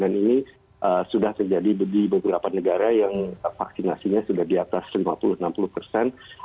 dan ini sudah terjadi di beberapa negara yang vaksinasinya sudah di atas lima puluh enam puluh persen